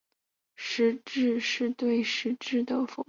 实质非蕴涵是对实质蕴涵的否定。